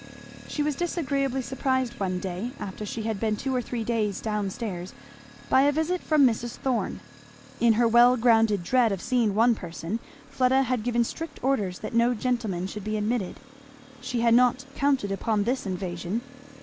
She was disagreeably surprised one day, after she had been two or three days down stairs, by a visit from Mrs. Thorn. In her well grounded dread of seeing one person Fleda had given strict orders that no gentleman should be admitted; she had not counted upon this invasion.